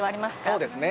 ◆そうですね。